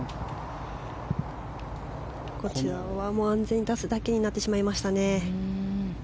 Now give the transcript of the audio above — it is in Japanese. こちらは安全に出すだけになってしまいましたね。